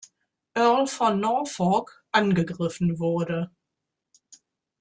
Earl von Norfolk, angegriffen wurde.